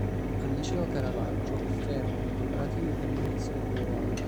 Al "Liceo Caravaggio" fervono i preparativi per l'inizio del nuovo anno.